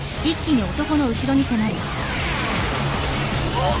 あっ。